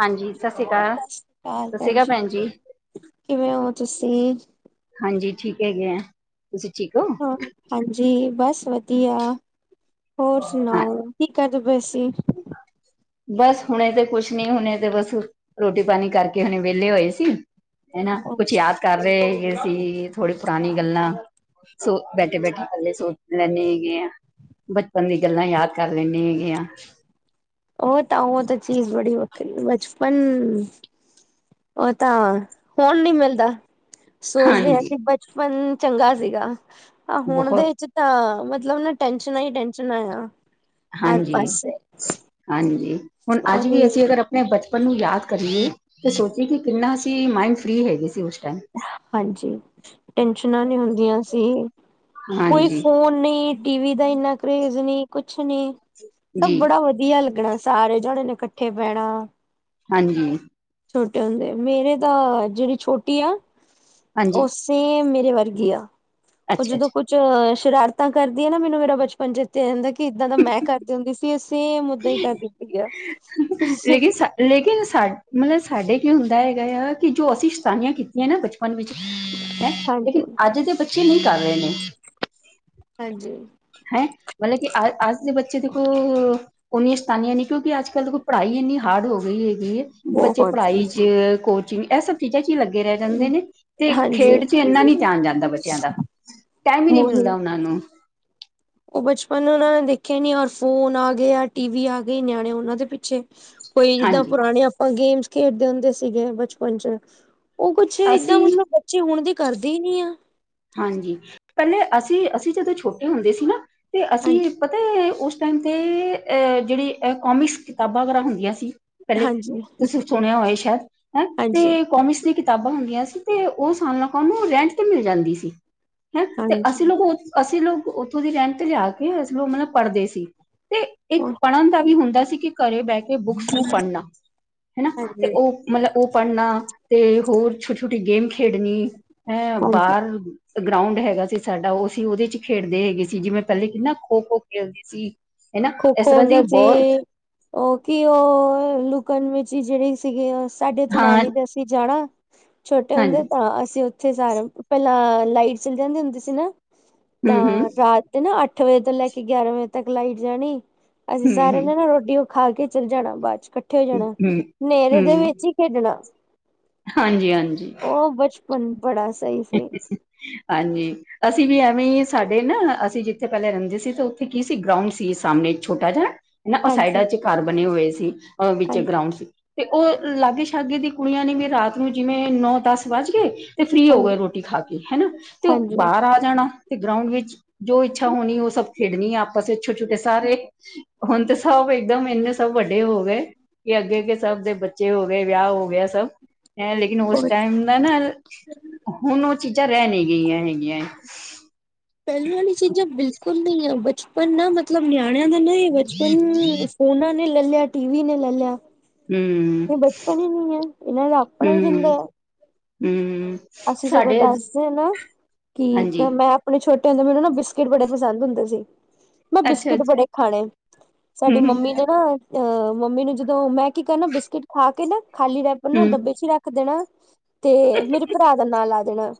ਹਾਂਜੀ, ਸਤਿ ਸ੍ਰੀ ਅਕਾਲ, ਸਤਿ ਸ੍ਰੀ ਅਕਾਲ ਭੈਣ ਜੀ ਕਿਵੇਂ ਹੋ ਤੁਸੀਂ ਹਾਂਜੀ, ਠੀਕ ਹੈਗੇ ਆ। ਤੁਸੀਂ ਠੀਕੋ? ਹਾਂਜੀ, ਬਸ ਵਧੀਆ, ਹੋਰ ਹਾਂ ਸੁਣਾਓ? ਕੀ, ਕਰਦੇ ਪਏ ਸੀ? ਬਸ, ਹੁਣੇ ਤੇ ਕੁਛ ਨਈ, ਹੁਣੇ ਤੇ ਬਸ ਰੋਟੀ-ਪਾਣੀ ਕਰਕੇ, ਹੁਣੇ ਵਿਹਲੇ ਹੋਏ ਸੀ। ਹਨਾ, ਉਹ ਕੁਛ ਯਾਦ ਕਰ ਰਹੇ ਏ ਸੀ, ਥੋੜੀ ਪੁਰਾਣੀ ਗੱਲਾਂ ਸੋ ਬੈਠੇ-ਬੈਠੇ ਇਕੱਲੇ ਸੋਚ ਲੈਂਣੇ ਹੈਗੇ ਆ, ਬਚਪਨ ਦੀਆ ਗੱਲਾਂ, ਯਾਦ ਕਰ ਲੈਂਣੇ ਹੈਗੇ ਆ ਉਹ ਤਾਂ, ਉਹ ਤਾਂ ਚੀਜ਼ ਬੜੀ ਵੱਖਰੀ, ਬਚਪਨ ਉਹ ਤਾਂ ਫ਼ੋਨ ਨਈ ਮਿਲਦਾ, ਸੋਚਦੇ ਆ ਹਾਂਜੀ ਕਿ- ਬਚਪਨ ਚੰਗਾ ਸੀਗਾ, ਆ ਹੁਣ ਦੇ ਬਹੁਤ ਵਿੱਚ ਤਾਂ ਮਤਲਬ ਨਾ, ਟੈਂਸ਼ਨਾਂ ਹੀ ਟੈਂਸ਼ਨ ਆ ਹਰ ਪਾਸੇ ਹਾਂਜੀ-ਹਾਂਜੀ ਹੁਣ ਅੱਜ ਵੀ, ਉਹੀ ਅਸੀਂ ਅਗਰ ਮੈ, ਬਚਪਨ ਨੂੰ ਯਾਦ ਕਰਦੀ ਸੋਚਦੀ ਕਿ, ਕਿੰਨਾ ਅਸੀ ਮਾਇੰਡ ਫ੍ਰਰੀ, ਹੈਗੇ ਸੀ ਉਸ ਟਾਈਮ ਹਾਂਜੀ, ਟੈਸ਼ਨਾਂ ਨਈ ਹੁੰਦੀਆਂ ਸੀ। ਕੋਈ ਹਾਂਜੀ ਫੋਨ ਨਹੀਂ, ਟੀਵੀ ਦਾ ਇੰਨਾ ਕਰੇਜ ਨੀ ਕੁਛ ਨੀ, ਸਭ ਜੀ ਬੜਾ ਵਧੀਆ ਲੱਗਣਾ ਸਾਰੇ ਜਾਣੇ, ਨੂੰ ਇਕੱਠੇ ਬਹਿਣਾ ਹਾਂਜੀ। ਛੋਟੇ ਹੁੰਦੇ, ਮੇਰੇ ਦਾ ਜਿਹੜੀ ਛੋਟੀ ਆ ਉਹ ਹਾਂਜੀ ਸੇਮ ਮੇਰੇ ਵਰਗੀ ਆ, ਉਹ ਅੱਛਾ ਜਦੋਂ ਅੱਛਾ ਕੁਝ 'ਚੋ ਸ਼ਰਾਰਤਾਂ ਕਰਦੀ ਆ ਨਾ, ਮੈਨੂੰ ਮੇਰਾ ਬਚਪਨ ਚੇਤੇ ਆ ਜਾਂਦਾ ਕਿ, ਇੱਦਾਂ ਤਾਂ ਮੈਂ ਕਰਦੀ ਹੁੰਦੀ ਸੀ। ਕਿ ਅਸੀਂ ਮੁੱਦਾ ਈ ਕਰ ਦਿੱਤੀ ਆ ਹਾਂਜੀ। ਲੇਕਿਨ ਸਾ ਲੇਕਿਨ ਸਾ ਮਤਲਬ, ਸਾਡੇ ਕੀ ਹੁੰਦਾ ਹੈਗਾ ਆ, ਕਿ ਜੋ ਅਸੀਂ, ਸ਼ੈਤਾਨੀਆਂ ਕੀਤੀਆਂ ਨਾ ਬਚ ਬਚਪਨ ਵਿੱਚ, ਹੈਂ ਲੇਕਿਨ ਅੱਜ ਦੇ ਬੱਚੇ, ਨਹੀਂ ਕਰ ਰਹੇ ਨੇ ਹਾਂਜੀ। ਹੈਂ, ਮਤਲਬ ਕਿ, ਅ ਅੱਜ ਦੇ ਬੱਚੇ ਦੇਖੋ ਉਨੀਆਂ ਸ਼ਤਾਨੀਆਂ ਨਈ, ਕਿਉਂਕਿ ਅੱਜ-ਕੱਲ੍ਹ ਦੇਖੋ ਪੜ੍ਹਾਈ ਇੰਨੀ, ਹਾਰਡ ਹੋ ਗਈ ਹੈਗੀ ਏ ਬੱਚੇ ਬਹੁਤ ਪੜ੍ਹਾਈ 'ਚ, ਕੋਚਿੰਗ ਇਹ ਸਭ ਚੀਜ਼ਾ ਚੀ ਲੱਗੇ ਰਹਿ ਜਾਂਦੇ ਨੇ, ਤੇ ਹਾਂਜੀ। ਖੇਡ 'ਚ ਇੰਨਾ ਨਈ, ਧਿਆਨ ਜਾਂਦਾ ਬੱਚਿਆਂ ਦਾ ਟਾਈਮ ਈ ਨਈ ਉਹੀ ਮਿਲਦਾ, ਉਹਨਾਂ ਨੂੰ ਉਹ ਬਚਪਨ ਉਹਨਾਂ ਨੇ ਦੇਖਿਆ ਹੀ ਨਈ, ਔਰ ਫੋਨ ਆ ਗਿਆ, ਟੀ ਵੀ ਆ ਗਏ, ਨਿਆਣੇ ਉਹਨਾਂ ਦੇ ਪਿੱਛੇ ਕੋਈ ਜਿੱਦਾਂ ਹਾਂਜੀ ਪੁਰਾਣੀ, ਆਪਾਂ ਗੇਮਸ ਖੇਡਦੇ ਹੁੰਦੇ ਸੀਗੇ, ਬਚਪਨ 'ਚ ਉਹ ਕੁੱਛ ਏਦਾਂ, ਅਸੀਂ ਮਤਲਬ ਬੱਚੇ ਹੁਣ ਦੇ, ਕਰਦੇ ਨਈ ਆ ਹਾਂਜੀ, ਪਹਿਲੇ ਅਸੀਂ -ਅਸੀਂ ਜਦੋਂ ਛੋਟੇ ਹੁੰਦੇ ਸੀ। ਨਾ ਤੇ ਅਸੀਂ ਹਾਂਜੀ ਪਤਾ ਉਸ ਟਾਈਮ ਤੇ, ' ਅ ਜਿਹੜੀ ਕੋਮਿਕਸ ਕਿਤਾਬਾਂ, ਵਗੈਰਾ ਹੁੰਦੀਆਂ ਸੀ। ਪਹਿਲੇ ਹਾਂਜੀ ਤੁਸੀਂ ਸੁਣਿਆ ਹੋਏ ਸ਼ਾਇਦ, ਹੈਂ ਹਾਂਜੀ ਤੇ ਕੋਮਿਕਸ ਨੇ ਕਿਤਾਬਾਂ ਹੁੰਦੀਆਂ ਸੀ ਤੇ, ਉਹ ਸਾਨੂੰ ਲੋਕਾਂ ਨੂੰ ਰੈਂਟ ਤੇ ਮਿਲ ਜਾਂਦੀ ਸੀ, ਹੈਂ ਤੇ ਹਾਂਜੀ ਅਸੀਂ ਲੋਗ ਅਸੀਂ ਲੋਕ ਉੱਥੋਂ ਦੀ ਰੈਂਟ ਤੇ ਜਾ ਕੇ, ਅਸੀਂ ਲੋਕ ਮਤਲਬ ਪੜ੍ਹਦੇ ਸੀ। ਤੇ ਇੱਕ ਪੜ੍ਹਨ ਤਾਂ ਕਿ ਵੀ ਹੁੰਦਾ ਸੀ, ਕਿ ਘਰੇ ਬਹਿ ਕੇ, ਬੁੱਕਸ ਨੂੰ ਪੜ੍ਹਨਾ ਹਨਾ ਤੇ ਹਾਂਜੀ ਓ ਮਲਬ, ਓ ਪੜਨਾ ਤੇ ਹੋਰ, ਛੋਟੀ-ਛੋਟੀ ਗੇਮ ਖੇਡਨੀ ਹੈਂ ਹਾਂਜੀ ਬਾਰ ਗਰਾਊਂਡ ਹੈਗਾ ਸੀ ਸਾਡਾ, ਓ ਅਸੀ ਓਦੇ ਚ ਖੇਡਦੇ ਹੈਗੇ ਸੀ, ਜਿਵੇਂ ਪ੍ਹੈਲੇ ਕਿੱਨਾ ਖੋ-ਖੋ ਖੇਲਦੇ ਸੀ। ਹੈਨਾ, ਏਸ ਤਰਾਂ ਦੀ ਬੋਤ ਓ ਕੀ ਓ ਲੁਕਨ-ਮੀਚੀ ਜੇ ਰੀ ਸੀਗੀ, ਸਾਡੇ ਉਥੇ ਹਾਂ ਨਾਨੀ ਦਾ ਅਸੀ ਜਾਣਾ। ਛੋਟੇ ਹੁੰਦੇ ਹਾਂਜੀ ਤਾਂ, ਅਸੀ ਉਥੇ ਸਾਰੇ ਪ੍ਹੈਲਾਂ ਲਾਈਟ ਚਲੀ ਜਾਂਦੀ ਹੁੰਦੀ ਸੀ ਨਾ। ਹਮ ਤਾਂ ਹਮ ਰਾਤ ਨਾ ਆੱਠ ਵਜੇ ਤੋਂ ਲੈ ਕੇ ਗੇਆਰਾਂ ਵਜੇ ਤੱਕ ਲਾਈਟ ਜਾਣੀ ਅਸੀ ਹਮ ਸਾਰਿਆਂ ਨੇ ਨਾ ਹਮ ਰੋਟੀ ਓ ਖਾ ਕੇ ਚੱਲ ਜਾਣਾ ਬਾਦ ਚ ਕ ਖੇਡਨਾ, ਹਮ ਨੇਰੇ ਦੇ ਵਿੱਚ ਈ ਖੇਡਨਾ। ਹਾਂਜੀ-ਹਾਂਜੀ। ਓ ਬੱਚਪਨ ਬੜਾ ਸ [unintelligible] ਹਾਂਜੀ। ਅਸੀ ਵੀ ਐਵੇਂ ਈ, ਸਾਡੇ ਨਾ ਅਸੀ ਜਿੱਥੇ ਪ੍ਹੈਲੇ ਰੈਂਦੇ ਸੀ ਤੇ ਉੱਥੇ ਕੀ ਸੀ, ਗਰਾਊਂਡ ਸੀ ਸਾਮਨੇ ਇਕ ਛੋਟਾ ਜਾ ਨਾ, ਓ ਹਾਂਜੀ ਸਾਈਡਾਂ ਚ ਘਾਰ ਬਨੇ ਹੋਏ ਸੀ, ਅ ਵਿੱਚ ਹਾਂਜੀ, ਗਰਾਉਂਡ ਸੀ। ਤੇ ਓ ਲਾਗੇ-ਸ਼ਾਗੇ ਦੀ ਕੁੜੀਆਂ ਨੇ ਵੀ ਰਾਤ ਨੂੰ ਜਿਵੇਂ, ਨੌ-ਦਾੱਸ ਵੱਜ ਗੇ ਤੇ ਫ੍ਰਰੀ ਹੋ ਹਾਂਜੀ, ਗਏ ਰੋਟੀ ਖਾ ਕੇ, ਹਨਾ ਤੇ ਓ ਹਾਂਜੀ। ਬਾਰ ਆ ਜਾਣਾ। ਤੇ ਗਰਾਊਂਡ ਵਿੱਚ ਜੋ ਇੱਛਾ ਹੋਨੀ ਓ ਸਬ ਖੇਡਨੀ ਆਪਸ ਇੱਚ, ਛੋਟੇ-ਛੋਟੇ ਸਾਰੇ। ਹੁਨ ਤੇ ਸਬ ਏਕਦਮ, ਏੱਨੇ ਸਬ ਵੱਡੇ ਹੋ ਗਏ ਕਿ ਅੱਗੇ-ਅੱਗੇ ਸਬ ਦੇ ਬੱਚੇ ਹੋ ਗਏ, ਵੇਆ ਹੋ ਗੇਆ ਸਬ, ਐਂ ਲੇਕਿਨ ਉਸ ਉਹ ਟਾਈਮ ਦਾ ਨਾ ਅ ਹੁਨ ਓ ਚੀਜਾਂ ਰੈ ਨੀ ਗਈਆਂ ਹੈਗੀਆਂ ਏ। ਪ੍ਹੈਲੇ ਵਾਲੀ ਚੀਜਾਂ ਬਿਲਕੁਲ ਨਈ ਐ, ਬੱਚਪਨ ਨਾ ਮਤਲਬ ਨਿਆਣੇਆਂ ਦਾ ਨਈ ਬੱਚਪਨ ਫੋਨਾਂ ਨੇ ਲੈ ਲੇਆ, ਟੀਵੀ ਨੇ ਲੈ ਲੇਆ। ਹੂੰ, ਏ ਬੱਚਪਨ ਈ ਨੀ ਏ, ਏਨਾਂ ਦਾ ਆਪਣਾ ਈ ਹੂੰ, ਦਿੰਦੈ। ਹੂੰ। ਅਸੀ ਸਗੋਂ ਸਾਡੇ ਦਾੱਸਦੇ ਨਾ ਕਿ ਹਾਂਜੀ ਤਾ ਮੈਂ ਆ ਓਨੂ ਛੋਟੇ ਹੁੰਦੇ ਮੈਨੂੰ ਨਾ, ਬਿਸਕਿਟ ਬੜੇ ਪਸੰਦ ਹੁੰਦੇ ਸੀ। ਮੈਂ ਅੱਛਾ ਬਿਸਕਿਟ ਅੱਛਾ ਬੜੇ ਖਾਣੇ, ਹੂੰ ਸਾਡੀ ਮੰਮੀ ਹੂੰ ਨੇ ਨਾ ਅ ਮੰਮੀ ਨੂੰ ਜਦੋਂ, ਮੈਂ ਕੀ ਕਰਨਾ ਬਿਸਕਿਟ ਖਾ ਕੇ ਨਾ ਖਾਲੀ ਰੈਪਰ ਨਾ ਹੂੰ ਡੱਬੇ ਚ ਈ ਰਾੱਖ ਦੇਨਾ ਤੇ ਮੇਰੇ ਭਰਾ ਦਾ ਨਾਂ ਲਾ ਦੇਣਾ,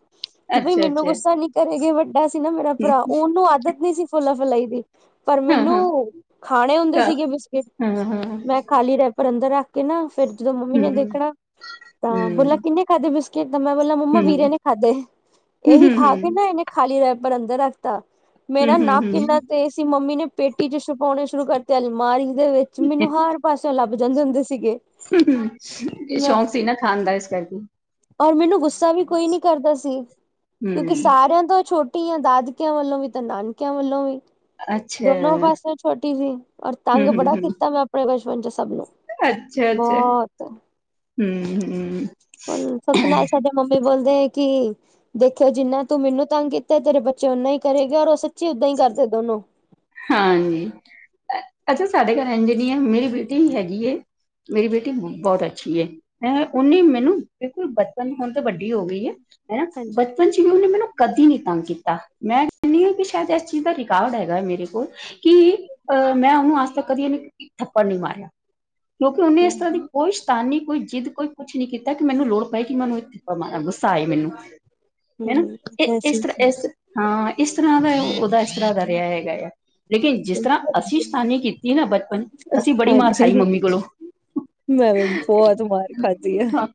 ਕਿ ਬਈ ਅੱਛਾ ਮੈਨੂੰ ਅੱਛਾ ਗੁੱਸਾ ਨੀ ਕਰੇਗੀ ਬਟ ਵੈਸੇ ਨਾ ਮੇਰਾ ਹੂੰ, ਭਰਾ ਓਨੂੰ ਆਦਤ ਨੀ ਸੀ ਫੋਲਾ ਫਲਾਈ ਦੀ ਪਰ ਹਾਂ ਮੈਨੂੰ ਹਾਂ ਖਾਣੇ ਹੁੰਦੇ ਘਰ, ਸੀਗੇ ਬਿਸਕਿਟ ਹਾਂ ਹਾਂ ਮੈਂ ਖਾਲੀ ਰੈਪਰ ਅੰਦਰ ਰਾ ਕੇ ਨਾ, ਫਿਰ ਜਦੋਂ ਮੰਮੀ ਹੂੰ ਨੇ ਹੂੰ ਦੇਖਣਾ, ਤਾਂ ਬੋਲਨਾ ਹੂੰ ਕਿੰਨੇ ਖਾੱਦੇ ਬਿਸਕਿਟ? ਮੈਂ ਬੋਲਨਾ ਮੰਮਾ ਹੂੰ ਵੀਰੇ ਨੇ ਖਾੱਦੇ, ਹੂੰ ਏਹੀ ਹੂੰ ਖਾ ਕੇ ਨਾ ਹੂੰ, ਏਨੇ ਖਾਲੀ ਰੈਪਰ ਅੰਦਰ ਰਾੱਖਤਾ। ਮੇਰਾ ਹੂੰ, ਨਾੱਕ ਇੰਨਾ ਹੂੰ, ਤੇਜ ਸੀ, ਮੰਮੀ ਨੇ ਪੇਟੀ ਚ ਸੁ ਪੋਣੇ ਸ਼ੁਰੂ ਕਰਤੇ ਅਲਮਾਰੀ ਦੇ ਵਿੱਚ, ਮੈਨੂੰ ਹਰ ਪਾਸੇਓਂ ਲਾੱਬ ਜਾਂਦੇ ਹੁੰਦੇ ਸੀਗੇ। ਮੈਂ ਸ਼ੌਕ ਸੀ ਨਾ ਖਾਨ ਦਾ, ਇਸ ਕਾਰਕੇ। ਔਰ ਮੈਨੂੰ ਗੁੱਸਾ ਵੀ ਕੋਈ ਨੀ ਕਰਦਾ ਸੀ, ਕਿਉਂਕਿ ਹੂੰ ਸਾਰੇਆਂ ਤੋਂ ਛੋਟੀ ਦਾਦਕੇਆਂ ਵੱਲੋਂ ਵੀ, ਤੇ ਨਾਨਕੇਆਂ ਵੱਲੋਂ ਵੀ। ਅੱਛਾ ਦੋਨੋ ਪਾਸਿਓਂ ਛੋਟੀ ਸੀ, ਔਰ ਤਾੰਗ ਬੜਾ ਕੀਤਾ ਮੈਂ ਆਪਣੇ ਬੱਚਪਨ ਚ ਸਬ ਨੂੰ। ਅੱਛਾ-ਅੱਛਾ, ਬਹੁਤ ਹੂੰ, ਹੂੰ। ਹੁਨ ਸੁੱਖ ਨਾਲ ਸਾਡੇ ਮੰਮੀ ਬੋਲਦੇ ਕਿ ਦੇਖੇਓ ਜਿੰਨਾ ਤੂੰ ਮੈਨੂੰ ਤਾੰਗ ਕੀਤਾ, ਤੇਰੇ ਬੱਚੇ ਓਨਾ ਈ ਕਰੇਗਾ ਔਰ ਸੱਚੀ ਓਦਾਂ ਈ ਕਰਦੇ ਦੋਨੋ। ਹਾਂਜੀ, ਅ ਅੱਛਾ ਸਾਡੇ ਘਾਰ ਏਂਜ ਨੀ ਐ, ਹੁਨ ਮੇਰੀ ਬੇਟੀ ਵੀ ਹੈਗੀ ਏ ਮੇਰੀ ਬੇਟੀ ਬੋਤ ਅੱਛੀ ਏ। ਹੈਂ ਓਨੇ ਮੈਨੂੰ ਬਿਲਕੁਲ ਬੱਚਪਨ, ਹੁਨ ਤੇ ਵੱਡੀ ਹੋ ਗਈ ਏ, ਹਨਾ ਹਾਂਜੀ ਬੱਚਪਨ ਚ ਉਹਨੇ ਮੈਨੂੰ ਕਦੀ ਨੀ ਤੰਗ ਕੀਤਾ ਮੈਂ ਕਹਿੰਨੀ ਕੀ ਸ਼ਾਇਦ ਇਸ ਚੀਜ਼ ਦਾ ਰਿਕਾਰਡ ਹੈਗਾ ਮੇਰੇ ਕਿ ਅ ਮੈਂ ਉਹਨੂੰ ਅੱਜ ਤੱਕ ਕਦੀ ਇਕ ਥੱਪੜ ਨੀ ਮਾਰਿਆ। ਕਿਉਂਕਿ ਉਹਨੇ ਇਸ ਤਰਾਂ ਦੀ ਹਮ ਕੋਈ ਸੈ਼ਤਾਨੀ, ਕੋਈ ਜਿੱਦ, ਕੋਈ ਕੁਛ ਨੀ ਕੀਤਾ ਕਿ ਮੈਨੂੰ ਲੋੜ ਪਏ ਕਿ ਮੈ ਓਨੂੰ ਇੱਕ ਥੱਪੜ ਮਾਰਾ ਗੁੱਸਾ ਆਏ ਮੈਨੂੰ। ਹੈਨਾ ਇਹ ਇਸ ਵੈਸੇ ਤਰਾਂ ਇਸ ਹਾਂ ਇਸ ਤਰਾਂ ਦਾ ਉਹਦਾ ਇਸ ਤਰਾਂ ਦਾ ਰਿਹਾ ਹੈਗਾ ਏ ਆ। ਲੇਕਿਨ ਜਿਸ ਤਰਾਂ ਅਸੀਂ ਸ਼ਤਾਨੀ ਕੀਤੀ ਨਾ ਬਚਪਨ ਅਸੀਂ ਬੜੀ ਮਾਰ ਖਾਈ ਹਾਂਜੀ ਮੰਮੀ ਕੋਲੋਂ। ਮੈਂ ਵੀ ਬੋਤ ਮਾਰ ਖਾਧੀ ਆ। ਹਾਂ,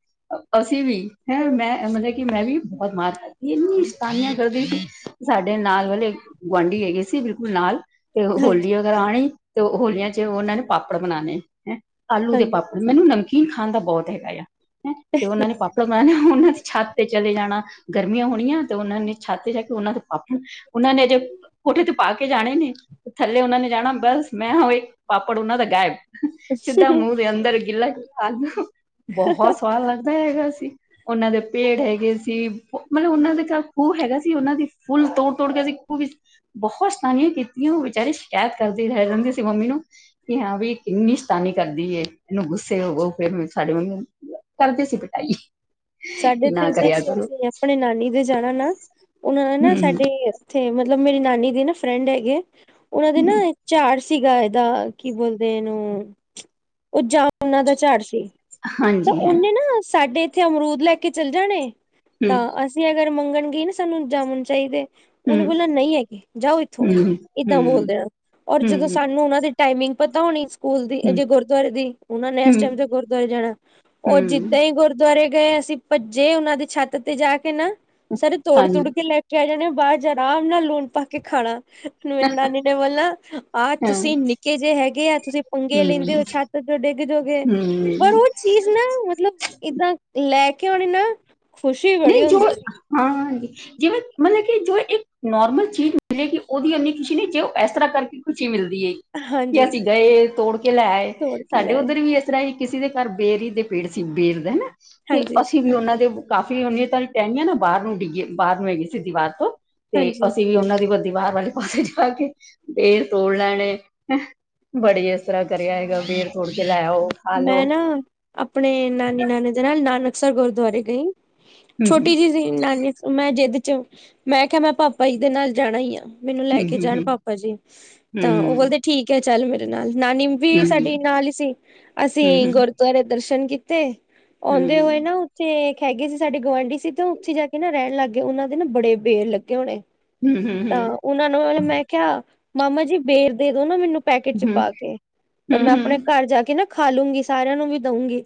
ਅਸੀਂ ਵੀ ਐ ਮੈਂ ਮਤਲਬ ਕਿ ਮੈਂ ਵੀ ਬੋਤ ਮਾਰ ਖਾਧੀ ਇੰਨੀ ਸ਼ਤਾਨੀਆਂ ਕਰਦੀ ਸੀ ਸਾਡੇ ਨਾਲ ਵਾਲੇ ਗੁਆਂਢੀ ਹੈਗੇ ਸੀ ਬਿਲਕੁਲ ਨਾਲ ਤੇ ਹਾਂਜੀ ਹੋਲੀ ਅਗਰ ਆਉਣੀ ਤੇ ਹੋਲੀਆਂ ਚ ਉਹਨਾਂ ਨੇ ਪਾਪੜ ਬਨਾਣੇ ਹੈਂ। ਆਲੂ ਦੇ ਹਾਂਜੀ ਪਾਪੜ ਮੈਨੂੰ ਨਮਕੀਨ ਖਾਣ ਦਾ ਬੋਤ ਹੈਗਾ ਆ ਹੈਂ ਤੇ ਉਹਨਾਂ ਨੇ ਪਾਪੜ ਤਾਂ ਮੈਂ ਨਾ ਉਹਨਾਂ ਦੀ ਛੱਤ ਤੇ ਚਲੇ ਜਾਣਾ ਗਰਮੀਆਂ ਹੋਣੀਆਂ ਤੇ ਉਹਨਾਂ ਨੇ ਛੱਤ ਤੇ ਜਾ ਕੇ ਉਹਨਾਂ ਦੇ ਪਾਪੜ ਉਹਨਾਂ ਨੇ ਅਜੇ ਕੋਠੇ ਤੇ ਪਾ ਕੇ ਜਾਣੇ ਨੇ ਥੱਲੇ ਉਹਨਾਂ ਨੇ ਜਾਣਾ ਬਸ ਮੈਂ ਹਾ ਔਰ ਪਾਪੜ ਉਹਨਾਂ ਦਾ ਗਾਇਬ। ਸਿੱਧਾ ਮੂੰਹ ਅੱਛਾ ਦੇ ਅੰਦਰ ਗਿੱਲਾ ਆ ਬਹੋਤ ਸਵਾਦ ਲੱਗਦਾ ਹੈਗਾ ਸੀ ਉਹਨਾਂ ਦੇ ਪੇੜ ਹੈਗੇ ਸੀ ਮਤਲਬ ਉਹਨਾਂ ਦੇ ਘਰ ਖੂਹ ਹੈਗਾ ਸੀ ਉਹਨਾਂ ਦੀ ਫੁੱਲ ਤੋੜ- ਤੋੜ ਕੇ ਅ ਸੀਂ ਖੂਹ ਵਿੱਚ ਬਹੋਤ ਸ਼ਤਾਨੀਆਂ ਕੀਤ। ਨੂ ਵਿਚਾਰੀ ਸ਼ਿਕਾਇਤ ਕਰਦੀ ਰਹਿ ਜਾਂਦੀ ਸੀ ਮੰਮੀ ਨੂੰ ਕਿ ਹਾਂ ਵੀ ਕਿੰਨੀ ਸ਼ਤਾਨੀ ਕਰਦੀ ਏ ਇਹਨੂੰ ਗੁੱਸੇ ਹੋਵੋ ਫੇਰ ਸਾਡੇ ਮੰਮੀ ਕਰਦੇ ਸੀ ਪਿਟਾਈ। ਸਾਡੇ ਕਿ ਦੇ ਨਾ ਕਰਿਆ ਦੇਸ਼ ਕਰੋ ਅਸੀਂ [unintelligible] ਆਪਣੇ ਨਾਨੀ ਦੇ ਜਾਣਾ ਨਾ ਉਹਨਾਂ ਨਾ ਹੂੰ ਸਾਡੇ ਇੱਥੇ ਮਤਲਬ ਮੇਰੀ ਨਾਨੀ ਦੇ ਨਾ ਫਰੈਂਡ ਹੈਗੇ। ਉਹਨਾਂ ਦੇ ਨਾ ਹੂੰ ਝਾੜ ਸੀਗਾ ਇਹਦਾ ਕੀ ਬੋਲਦੇ ਇਹਨੂੰ ਉਹ ਜਮਨਾ ਦਾ ਝਾੜ ਸੀ। ਤਾਂ ਹਾਂਜੀ ਹਾਂ ਉਹਨੇ ਨਾ ਸਾਡੇ ਇੱਥੇ ਅਮਰੂਦ ਲੈ ਕੇ ਚਲੇ ਜਾਣੇ ਹੂੰ ਤਾਂ ਅਸ ਤੇ ਅਗਰ ਮੰਗਣ ਗਏ ਨਾ ਸਾਨੂੰ ਜਾਮਣ ਚਾਹੀਦੇ ਹੂੰ ਉਹਨੇ ਬੋਲਣਾ ਨਹੀਂ ਹੈਗੇ ਜਾਓ ਇੱਥੋਂ ਹੂੰ ਏਦਾਂ ਬੋਲ ਹੂੰ ਦੇਣਾ ਔਰ ਜਦੋਂ ਹੂੰ ਸਾਨੂੰ ਉਹਨਾਂ ਦੇ ਟਾਈਮਿੰਗ ਪਤਾ ਹੋਣੀ। ਸਕੂਲ ਦੀ ਹੂੰ ਜੇ ਗੁਰਦੁਆਰੇ ਦੀ ਉਹਨਾ ਨੇ ਇਸ ਹੂੰ ਟਾਈਮ ਤੇ ਗੁਰਦੁਆਰੇ ਜਾਣਾ ਉਹ ਹੂੰ ਜਿੱਦਾਂ ਹੀ ਗੁਰ ਦੁਆਰੇ ਗਏ ਅਸੀਂ ਭੱਜੇ ਉਹਨਾਂ ਦੀ ਛੱਤ ਤੇ ਜਾ ਕੇ ਨਾ ਸਾਰੇ ਤੋੜ- ਹਾਂਜੀ ਤੂੜ ਕੇ ਲੈ ਲੈ ਜਾਂਣੇ ਬਾਅਦ ਚ ਆਰਾਮ ਨਾਲ ਲੂਣ ਪਾ ਕੇ ਖਾਣਾ ਫੇਰ ਨਾਨੀ ਨੇ ਬੋਲਣਾ ਆਹ ਹਾਂ ਤੁਸੀਂ ਨਿੱਕੇ ਜਿਹੇ ਹੈਗੇ ਆ ਤੁਸੀਂ ਪੰਗੇ ਲੈਂਦੇ ਹੂੰ ਹੋ ਛੱਤ ਡਿੱਗ ਜੋ ਗਏ, ਹੂੰ ਪਰ ਉਹ ਚੀਜ਼ ਨਾ ਮਤਲਬ, ਏਦਾਂ ਲੈ ਕੇ ਆਣੀ ਨਾ ਖੁਸ਼ੀ ਬੜੀ ਹੁੰਦੀ ਸੀਗੀ। ਹਾਂ ਹਾਂਜੀ ਜਿਵੇਂ ਮਤਲਬ ਕਿ ਜੋ ਇੱਕ, ਨੋਰਮਲ ਚੀਜ਼ ਮਿਲੇ ਕਿ ਉਹਦੀ ਇੰਨੀ ਖੁਸ਼ੀ ਨਹੀਂ ਜੇ ਉਹ ਇਸ ਤਰਾਂ ਕਰਕੇ ਖੁਸ਼ੀ ਮਿਲਦੀ ਐ। ਕਿ ਹਾਂਜੀ ਅਸੀਂ ਗਏ ਤੋੜ ਕੇ ਲੈ ਆਏ ਤੋੜ ਕੇ ਸਾਡੇ ਲਿਆਏ, ਉੱਧਰ ਵੀ ਅ- ਇਸ ਤਰਾਂ ਹੀ ਕਿਸੇ ਦੇ ਘਰ ਬੇਰੀ ਦੇ ਪੇੜ ਸੀ ਬੇਰ ਦਾ ਹਨਾ ਤੇ ਅਸੀਂ ਵੀ ਉਹਨਾਂ ਦੇ, ਤੇ ਉਹਨੀ ਤਾਂਾਰੀ ਟੈਣੀਆਂ ਨਾ ਬਾਹਰ ਨੂੰ ਡਿੱਗੀਏ ਬਾਹਰ ਨੂੰ ਹੈਗੀ ਸੀ ਦੀਵਾਰ ਤੋਂ, ਤੇ ਹਾਂਜੀ-ਹਾਂਜੀ ਅਸੀਂ ਵੀ ਉਹਨਾਂ ਦੀ, ਦੀਵਾਰ ਵਾਲੇ ਪਾਸੇ ਜਾ ਕੇ ਬੇਰ ਤੋੜ ਲੈਣੇ। ਬੜੀ ਇਸ ਤਰਾਂ ਕਰਿਆ ਹੈਗਾ ਫੇਰ। ਮੈਂ ਨਾ ਆਪਣੇ ਨਾਨੀ ਨਾਨੇ ਦੇ ਨਾਲ ਨਾਨਕਸਰ ਗੁਰਦੁਆਰੇ ਗਈ। ਹੂੰ ਛੋਟੀ ਜੀ, ਨਾਨੀ ਮੈਂ ਜਿਦ ਚ ਮੈਂ ਕਿਹਾ ਮੈਂ ਪਾਪਾ ਜੀ ਦੇ ਨਾਲ ਜਾਣਾ ਹੀ ਆ। ਮੈਨੂੰ ਲੈ ਹੂੰ ਕੇ ਹੂੰ ਜਾਣ ਪਾਪਾ ਜੀ ਹੂੰ ਤਾਂ ਓ ਬੋਲਦੇ ਠੀਕ ਐ ਚੱਲ ਮੇਰੇ ਨਾਲ ਨਾਨੀ ਵੀ ਹੂੰ-ਹੂੰ। ਸਾਡੀ ਨਾਲ ਸੀ ਅਸੀਂ ਗੁਰਦੁਆਰੇ ਦਰਸ਼ਨ ਕੀਤੇ ਔਂਦੇ ਹੋਏ ਨਾ ਤੇੇ ਇਕ ਹੈਗੇ ਸੀ ਸਾਡੇ ਗੁਆਂਢੀ ਸੀ ਤੇ ਓਥੇ ਜਾ ਕੇ ਨਾ ਰੈਣ ਲਾਗੇ ਓਨਾਂ ਦੇ ਨਾ ਬੜੇ ਬੇਰ ਲੱਗੇ ਹੋਣੇ ਤਾਂ ਓਨਾਂ ਨੂੰ ਮਤਬ ਮੈਂ ਕਿਆ, ਮਾਮਾ ਜੀ ਵੇਰ ਦੇ ਦੋ ਨਾ ਮੈਨੂੰ ਪੈਕੇਟ ਚ ਪਾ ਕੇ, ਤਾਂ ਮੈਂ ਆਪਣੇ ਘਰ ਜਾ ਕੇ ਨਾ ਖਾ ਲੂੰਗੀ ਤੇ ਸਾਰੇਆਂ ਨੂੰ ਵੀ ਦਊਂਗੀ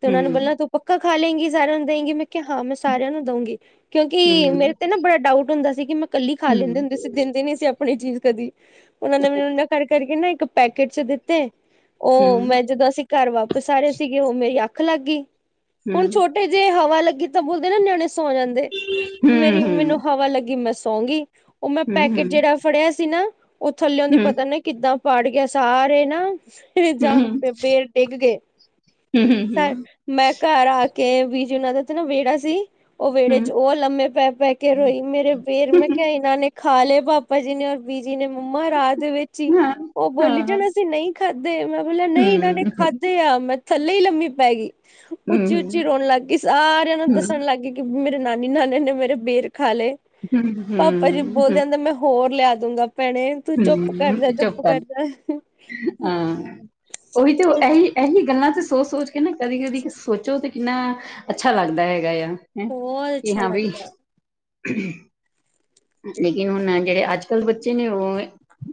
ਤੇ ਓਨਾਂ ਨੇ ਬੋਲਣਾ ਤੂੰ ਪੱਕਾ ਖਾ ਲੇਗੀ ਸਾਰੇਆਂ ਨੂੰ ਦੇਈਗੀ ਮੈਂ ਕਿਆ ਹਾਂ ਮੈਂ ਸਾਰੇਆਂ ਨੂੰ ਦਊਂਗੀ ਕਿਓਕਿ ਮੇਰੇ ਤੇ ਨਾ ਬੜਾ ਡਾਊਟ ਹੁੰਦਾ ਸੀ ਕਿ ਮੈਂ ਕੱਲੀ ਖਾ ਲੈਂਦੀ ਹੁੰਦੀ ਸੀ ਦਿੰਦੇ ਨੀ ਸੀਂ ਆਪਣੀ ਚੀਜ਼ ਕਦੀ ਓਨਾਂ ਨੇ ਮੈਨੂੰ ਏਦਾ ਕਰ-ਕਰ ਕਰਕੇ ਨਾ ਇੱਕ ਪੈਕੇਟ ਚ ਦਿੱਤੇ। ਓ ਮੈਂ ਜਦੋਂ ਅਸੀਂ ਘਰ ਵਾਪਿਸ ਆ ਰਏ ਸੀਗੇ ਓ ਮੇਰੀ ਅੱਖ ਲਾਗੀ, ਹੁਣ ਛੋਟੀ ਜੇ ਹਵਾ ਲੱਗੀ ਤਾਂ ਬੋਲਦੇ ਨਾ ਨਿਆਣੇ ਸੌਂ ਜਾਂਦੇ ਮੇਰੀ ਮੈਨੂੰ ਹਵਾ ਲੱਗੀ ਮੈਂ ਸੌਂਗੀ। ਓ ਮੈਂ ਪੈਕੇਟ ਜੇੜਾ ਫੜਿਆ ਸੀ ਨਾ ਓ ਥੱਲੇਓ ਦੀ ਪਤਾ ਨੀ ਕਿੱਦਾਂ ਪੜ ਗਿਆ ਸਾਰੇ ਨਾ ਜਾਮ ਕੇ ਬੇਰ ਡਿੱਗ ਗਏ। ਮੈਂ ਘਰ ਆ ਕੇ ਬੀਜੀ ਹੋਨਾ ਦਾ ਵੇੜਾ ਸੀ ਓ ਵੇੜੇ ਚ ਓ ਲੰਮੇ ਪੈ-ਪੈ ਕੇ ਰੋਈ ਮੇਰੇ ਬੇਰ ਮੈਂ ਕਿਆ ਏਨਾਂ ਨੇ ਖਾ ਲਏ ਪਾਪਾ ਜੀ ਨੇ ਬੀਜੀ ਨੇ ਮੰਮਾ ਰਾਜ ਦੇ ਵਿੱਚ ਈ ਓ ਬੋਲੀ ਜਾਣ ਅਸੀਂ ਨਈਂ ਤੇ ਮੈਂ ਬੋਲਿਆ ਨਈਂ ਏਨਾਂ ਨੇ ਖਾਦੇ ਆ ਮੈਂ ਥੱਲੇ ਈ ਲੰਮੀ ਪੈ ਗੀ। ਉੱਚੀ-ਉੱਚੀ ਰੋਣ ਲਾਗੀ ਸਾਰੇਆਂ ਨੂੰ ਦੱਸਣ ਲਾਗੀ। ਮੇਰੇ ਨਾਨੀ-ਨਾਨੇ ਨੇ ਮੇਰੇ ਬੇਰ ਖਾ ਲਏ, ਪਾਪਾ ਜੀ ਬੋਲਦੇ ਆਂਦੇ ਮੈਂ ਹੋਰ ਲੈ ਦੂਗਾ ਭੈਣੇ, ਤੂੰ ਚੁੱਪ ਕਰ ਜਾ ਚੁੱਪ ਕਰ ਜਾ। ਹਾਂ ਓਹੀ ਤੇ ਏਹੀ, ਏਹੀ ਗੱਲਾਂ ਤੇ ਸੋਚ-ਸੋਚ ਕੇ ਨਾ ਕਦੀ-ਕਦੀ ਸੋਚੋ ਤੇ ਕਿੰਨਾ ਅੱਛਾ ਲੱਗਦਾ ਹੈਗਾ ਏਆ ਬਹੁਤ ਕਿ ਅੱਛਾ ਹਾਂ ਬਈ ਲੱਗਦਾ ਹੈ। ਲੇਕਿਨ ਹੁਨ ਜੇੜੇ ਅੱਜ-ਕੱਲ ਬੱਚੇ ਨੇ ਓ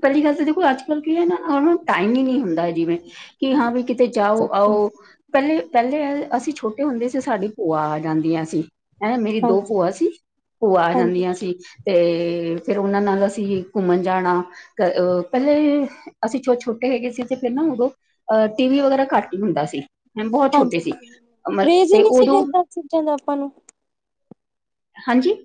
ਪੈਲੀ ਗੱਲ ਤੇ ਦੇਖੋ ਅੱਜ-ਕੱਲ ਕੀ ਐ ਨਾ ਹੁਣ ਟਾਈਮ ਈ ਨੀ ਹੁੰਦਾ ਹੈ ਜਿਵੇਂ ਕਿ ਹਾਂ ਵੀ ਕਿਤੇ ਜਾਓ ਆਓ, ਪੈਲੇ ਪੈਲੇ ਅਸੀਂ ਛੋਟੇ ਹੁੰਦੇ ਸੀ, ਸਾਡੀ ਭੂਆ ਆ ਜਾਂਦੀਆਂ ਸੀਂ। ਹੈਂ ਮੇਰੀ ਹਾਂਜੀ, ਦੋ ਭੋਆ, ਸੀ ਭੂਆ ਆ ਹਾਂਜੀ, ਜਾਂਦੀਆਂ ਸੀ। ਤੇ ਫੇਰ ਓਨਾਂ ਨਾਲ ਅਸੀਂ ਘੁੰਮਣ ਜਾਣਾ। ਪੈਲੇ ਅਸੀਂ ਛੋਟੇ-ਛੋਟੇ ਹੈਗੇ ਸੀ ਤੇ ਫੇਰ ਨਾ ਉਦੋਂ ਅ ਟੀ ਵੀ ਵਗੈਰਾ ਘੱਟ ਈ ਹੁੰਦਾ ਸੀ। ਮੈਂ ਬੋਹਤ ਛੋਟੇ ਹਾਂਜੀ ਸੀ, ਅਮਰ ਕਰੇਜ਼ ਹੀ ਤੇ ਨਹੀਂ ਸੀਗਾ ਉਦੋਂ ਏਦਾਂ ਚੀਜ਼ਾਂ ਦਾ ਆਪਾਂ ਨੂੰ। ਹਾਂਜੀ।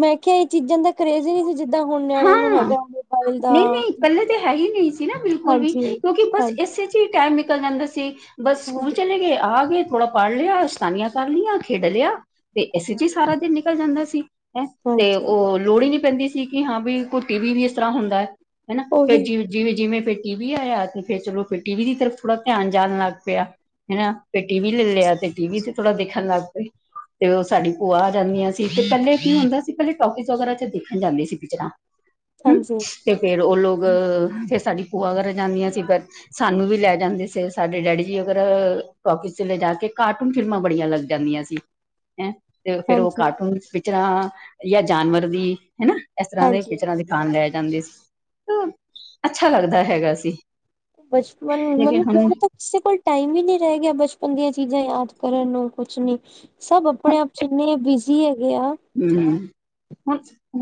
ਮੈਂ ਕਿਆ ਏ ਚੀਜ਼ਾਂ ਦਾ ਕਰੇਜ਼ ਈ ਨੀ ਸੀ। ਜਿੱਦਾਂ ਹੁਣ ਹਾਂ ਨਿਆਣਿਆਂ ਨੂੰ ਹੈਗਾ ਮੋਬਾਇਲ ਦਾ। ਨਈਂ-ਨਈ ਇਕੱਲੇ ਤਾਂ ਹੈ ਹੀ ਨੀ ਸੀ ਨਾ ਬਿਲਕੁਲ ਵੀ ਹਾਂਜੀ, ਕਿਓਂਕੇ ਬਸ ਹਾਂਜੀ, ਇਸੇ ਟਾਈਮ ਨਿਕਲ ਜਾਂਦਾ ਸੀ, ਬਸ ਸਕੂਲ ਹਾਂਜੀ ਚਲੇ ਗੇ ਆ ਗੇ। ਥੋੜਾ ਪੜ ਲਿਆ ਸ਼ੈਤਾਨੀਆਂ ਕਰ ਲਈਆਂ, ਖੇਡ ਲਿਆ ਤੇ ਇਸੇ ਚ ਈ ਸਾਰਾ ਦਿਨ ਨਿਕਲ ਜਾਂਦਾ ਸੀ। ਹੈਂ ਤੇ ਓ ਲੋੜ ਈ ਨੀ ਪੈਂਦੀ ਸੀ, ਕਿ ਹਾਂ ਬਈ ਕੋਈ ਟੀ ਵੀ ਵੀ ਇਸ ਤਰਾਂ ਹੁੰਦਾ ਐ। ਹੈਨਾ ਉਹੀ ਫਿਰ ਜੇ ਜਿਵੇਂ-ਜਿਵੇਂ ਫਿਰ ਟੀ ਵੀ ਆਏਆ ਤੇ ਫਿਰ ਚਲੋ ਫਿਰ ਟੀ ਵੀ ਦੀ ਤਰਫ ਥੋੜਾ ਧਿਆਨ ਜਾਣ ਲੱਗ ਪਿਆ। ਹੈਨਾ ਫੇਰ ਟੀ ਵੀ ਲੈ ਲਿਆ, ਤੇ ਟੀ ਵੀ ਤੇ ਥੋੜਾ ਦੇਖਣ ਲੱਗ ਪਏ। ਤੇ ਓ ਸਾਡੀ ਭੂਆ ਆ ਜਾਂਦੀਆਂ ਸੀ ਤੇ ਪੈਲੇ ਕੀ ਹੁੰਦਾ ਸੀ ਪੈਲੇ ਟੋਫਿਸ ਵਗੈਰਾ ਚ ਦੇਖਣ ਜਾਂਦੇ ਸੀ। ਹੂੰ ਹਾਂਜੀ, ਤੇ ਫੇਰ ਓ ਲੋਕ, ਫਿਰ ਸਾਡੀ ਭੂਆ ਕਰ ਜਾਂਦੀਆਂ ਸੀ ਫੇਰ ਸਾਨੂੰ ਵੀ ਲੈ ਜਾਂਦੇ ਸੀ ਸਾਡੇ ਡੈਡੀ ਜੀ, ਅਗਰ ਟਾਕੀਜ਼ ਚ ਲੈਜਾ ਕੇ ਕਾਰਟੂਨ ਫਿਲਮਾਂ ਬੜੀਆਂ ਲੱਗਦੀਆਂ। ਜਾਂਦੀਆਂ ਸੀ ਹੈਂ। ਤੇ ਫੇਰ ਉਹ ਹਾਂਜੀ, ਕਾਰਟੂਨ ਪਿਕਚਰਾ ਯਾ ਜਾਨਵਰ ਦੀ ਹਨਾ ਇਸ ਤਰ੍ਹਾਂ ਦੇ ਹਾਂਜੀ। ਪਿਕਚਰਾਂ ਦੇ ਨਾਲ ਲੈ ਜਾਂਦੇ ਸੀ, ਅੱਛਾ ਲੱਗਦਾ ਹੈਗਾ ਸੀ। ਬਚਪਨ ਮਨ ਲੇਕਿਨ ਹੁਣ ਹੁਨ ਤਾ ਕਿਸੇ ਕੋਲ ਟਾਈਮ ਹੀ ਨੀ ਰਹਿ ਗਿਆ, ਬਚਪਨ ਦੀਆਂ ਚੀਜ਼ਾਂ ਯਾਦ ਕਰਨ ਨੂੰ ਕੁਛ ਨੀ। ਸਭ ਆਪਣੇ ਆਪ ਚ ਇੰਨੇ ਬਿਜ਼ੀ ਹੈਗੇ ਆ। ਹੂੰ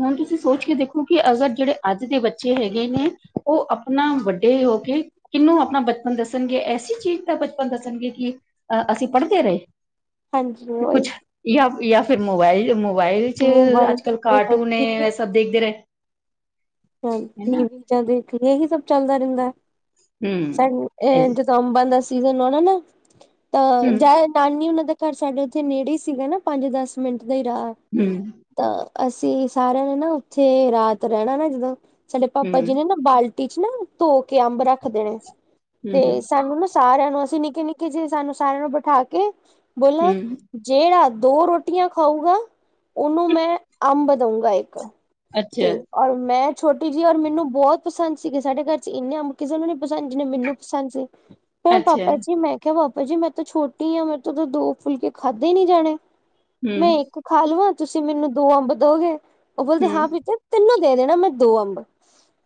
ਹੁਣ ਤੁਸੀਂ ਸੋਚ ਕੇ ਦੇਖੋ ਕਿ ਅਗਰ ਜੇੜੇ ਅੱਜ ਦੇ ਬੱਚੇ ਹੈਗੇ ਨੇ ਉਹ ਆਪਣਾ ਵੱਡੇ ਹੋ ਕੇ ਕਿਹਨੂੰ ਆਪਣਾ ਬਚਪਨ ਦੱਸਣਗੇ, ਐਸੀ ਚੀਜ਼ ਦਾ ਬਚਪਨ ਦੱਸਣਗੇ ਕਿ ਅਹ ਅਸੀਂ ਪੜ੍ਹਦੇ ਰਏ। ਹਾਂਜੀ ਉਹੀ ਕੁਛ ਯਾ-ਯਾ ਫਿਰ ਮੋਬਾਈਲ ਮੋਬਾਈਲ ਚ ਮੋਬਾਈਲ ਅੱਜ-ਕੱਲ ਕਾਰਟੂਨ ਏ ਟੀਵੀ ਐ ਸਭ ਦੇਖਦੇ ਰਏ। [unintelligible] ਇਹੀ ਸਭ ਚੱਲਦਾ ਰਹਿੰਦਾ, ਹੂੰ ਸਾਨੂੰ ਹੂੰ ਏ ਜ ਅੰਬਾ ਦਾ ਸੀਜਨ ਹੋਨਾ ਨਾ ਤਾਂ ਜ ਨਾਨੀ ਹੋਨਾ ਦਾ ਘਰ ਸਾਡੇ ਉੱਥੇ ਨੇੜੇ ਹੀ ਸੀਗਾ ਨਾ ਪੰਜ-ਦਸ ਮਿੰਟ ਦਾ ਹੀ ਰਾਹ‌। ਹੂੰ ਤਾਂ ਅਸੀਂ ਸਾਰਿਆਂ ਨੇ ਨਾ ਉੱਥੇ ਰਾਤ ਰਹਿਣਾ ਨਾ ਜਦੋਂ ਸਾਡੇ ਪਾਪਾ ਜੀ ਨੇ ਹੂੰ ਨਾ ਬਾਲ ਬਲਟੀ ਚ ਨਾ ਧੋ ਕੇ ਅੰਬ ਰੱਖ ਦੇਣੇ ਹੂੰ ਤੇ ਸਾਨੂੰ ਨਾ ਸਾਰਿਆਂ ਨੂੰ ਅਸੀਂ ਨਿੱਕੇ-ਨਿੱਕੇ ਜੇ ਸਾਨੂੰ ਸਾਰਿਆਂ ਨੂੰ ਬਿਠਾ ਕੇ ਬੋਲਨਾ ਹੂੰ ਜੇੜਾ ਦੋ ਰੋਟੀਆਂ ਖਾਊਗਾ, ਓਨੂੰ ਮੈਂ ਅੰਬ ਦਊਂਗਾ ਇੱਕ। ਤੇ ਅੱਛਾ ਔਰ ਮੈਂ ਛੋਟੀ ਜੀ ਔਰ ਮੈਨੂੰ ਬੌਤ ਪਸੰਦ ਸੀਗੇ, ਸਾਡੇ ਘਰ ਚ ਇੰਨੇ ਅੰਬ ਕਿਸੇ ਨੂੰ ਨ ਪਸੰਦ ਜਿਨੇ ਮੈਨੂੰ ਪਸੰਦ ਸੀ। ਅੱਛਾ ਪਾਪਾ ਜੀ ਮੈਂ ਕਿਹਾ ਪਾਪਾ ਜੀ, ਮੈਂ ਤਾਂ ਛੋਟੀ ਆ ਮੈਂ ਤਾਂ ਦੋ ਫੁਲਕੇ ਖਾਧੇ ਨੀ ਜਾਨੇ। ਹੂੰ ਮੈਂ ਇੱਕ ਖਾ ਲਵਾਂ ਤੁਸੀਂ ਮੈਨੂੰ ਦੋ ਅੰਬ ਦੋਗੇ, ਉਹ ਬੋਲਦੇ ਹੂੰ ਹਾਂ ਪ੍ਰੀਤੀ ਤੈਨੂੰ ਦੇ ਦੇਨਾ ਮੈਂ ਦੋ ਅੰਬ,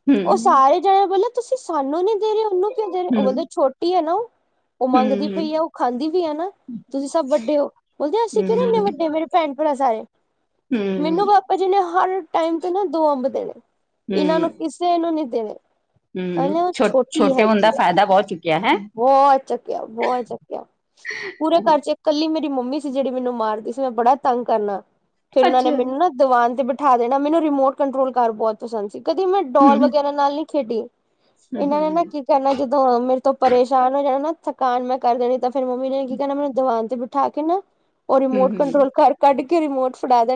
ਹੂੰ ਓ ਹੂੰ ਸਾਰੇ ਜਾਣੇ ਬੋਲ ਤੁਸੀਂ, ਸਾਨੂੰ ਨੀ ਦੇ ਰਹੇ ਉਹਨੂੰ ਕਿਉਂ ਦੇ ਰਹੇ ਹੋ ਓ ਹੂੰ ਬੋਲੇ ਛੋਟ ਟੀ ਹੈ ਨਾ ਉਹ, ਉਹ ਮੰਗਦੀ ਹੂੰ ਪਈ ਆ, ਉਹ ਖਾਂਦੀ ਵੀ ਹੈ ਨਾ। ਤੁਸੀਂ ਸਭ ਵੱਡੇ ਹੋ ਬੋਲਦੇ ਅਸੀਂ ਕਿਹੜੇ ਇੰਨੇ ਵੱਡੇ ਮੇਰੇ ਭੈਣ-ਭਰਾ ਸਾਰੇ। ਹੂੰ ਮੈਨੂੰ ਪਾਪਾ ਜੀ ਨੇ ਹਰ ਟਾਈਮ ਤੇ ਨਾ ਦੋ ਅੰਬ ਦੇਨੇ। ਇਨਾਂ ਨੂੰ ਹੂੰ ਕਿੱਸੇ ਨੂੰ ਨੀ ਦੇੇਨੇ। ਹੂੰ ਕਹਿਨਾ ਓ ਛੋ ਛੋਟੀ ਛੋਟੇ ਹੋਣ ਹੈਗੀ ਦਾ ਹੈ, ਫਾਇਦਾ ਬਹੁਤ ਚੁੱਕਿਆ ਹੈ ਬੌਤ ਚੱਕਿਆ ਬੌਤ ਚੱਕ ਕਿਆ ਪੂਰੇ ਘਰ ਚ ਇਕ ਕੱਲੀ ਮੇਰੀ ਮੰਮੀ ਸੀ ਜੇੜੀ ਮੈਨੂੰ ਮਾਰਦੀ ਸੀ, ਮੈਂ ਬੜਾ ਤੰਗ ਕਰਨਾ ਫੇਰ ਉਹਨਾਂ ਨੇ ਅੱਛਾ ਮੈਨੂੰ ਨਾ ਦਵਾਨ ਤੇ ਬਿਠਾ ਦੇਣਾ ਮੈਨੂੰ ਰਿਮੋਟ ਕੰਟਰੋਲ ਕਾਰ ਬੌਤ ਪਸੰਦ ਸੀ ਕਦੇ ਮੈਂ ਹੂੰ ਡੋਲ ਹੂੰ ਵਗੈਰਾ ਨਾਲ ਨੀ ਖੇਡੀ। ਇਹਨਾਂ ਨੇ ਨਾ ਹੂੰ ਕਹਿਣਾ ਜਦੋਂ ਮੇਰੇ ਤੋਂ ਪਰੇਸ਼ਾਨ ਹੋ ਜਾਣਾ ਨਾ ਥਕਾਨ ਮੈਂ ਕਰ ਦੇਣੀ ਫਿਰ ਮੰਮੀ ਨੇ ਕੀ ਕਹਿਣਾ ਮੈਨੂੰ ਦਵਾਨ ਤੇ ਬ ਉਠਾ ਕੇ ਨਾ ਉਹ ਰਿਮੋਟ ਹੂੰ ਕੰਟਰੋਲ ਕਰ ਕੱਢ ਕੇ ਰਿਮੋਟ ਫੜਾ ਦੇਨਾ।